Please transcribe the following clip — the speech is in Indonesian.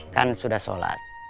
kan sudah sholat